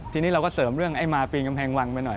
ทีนี้เราก็เสริมเรื่องไอ้มาปีนกำแพงวังไปหน่อย